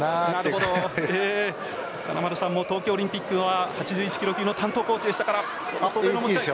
金丸さんも東京オリンピックは８１ｋｇ級の担当コーチでしたから。